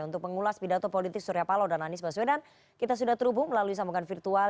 untuk mengulas pidato politik surya palo dan anies baswedan kita sudah terhubung melalui sambungan virtual